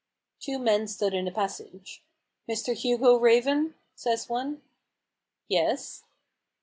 Two men stood in the passage. " Mr. Hugo Raven ?" says one. " Yes."